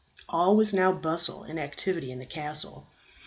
All was now bustle and activity in the castle.